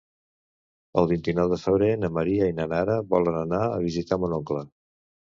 El vint-i-nou de febrer na Maria i na Nara volen anar a visitar mon oncle.